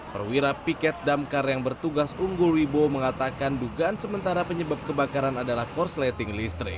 perwira piket damkar yang bertugas unggul wibowo mengatakan dugaan sementara penyebab kebakaran adalah korsleting listrik